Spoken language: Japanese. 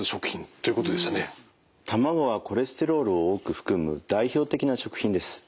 卵はコレステロールを多く含む代表的な食品です。